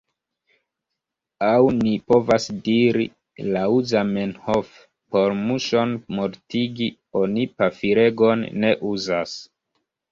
Aŭ ni povas diri laŭ Zamenhof: por muŝon mortigi, oni pafilegon ne uzas.